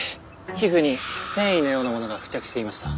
皮膚に繊維のようなものが付着していました。